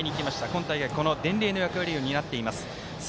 今大会この伝令の役割を担っています。